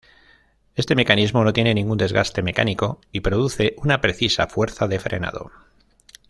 Este mecanismo no tiene ningún desgaste mecánico y produce una precisa fuerza de frenado.